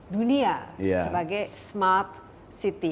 dunia sebagai smart city